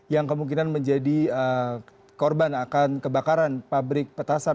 yang kemungkinan menjadi korban akan kebakaran pabrik petasan